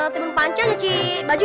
timun panca cuci baju ya